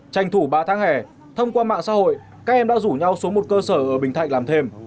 tranh thủ ba tháng hè thông qua mạng xã hội các em đã rủ nhau xuống một cơ sở ở bình thạnh làm thêm